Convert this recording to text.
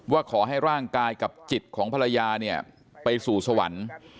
ว่าขอให้ร่างกายกับจิตของภรรยาเนี่ยไปสู่สวรรค์